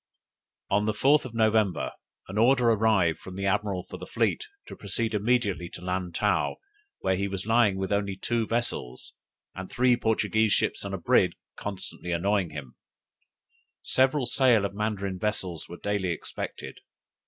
"On the 4th of November an order arrived from the admiral for the fleet to proceed immediately to Lantow, where he was lying with only two vessels, and three Portuguese ships and a brig constantly annoying him; several sail of Mandarin vessels were daily expected.